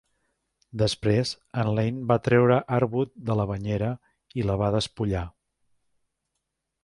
Després, en Lane va treure Arwood de la banyera i la va despullar.